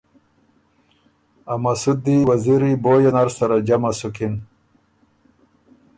ا وزیري مسودی بویه نر سره جمع سُکِن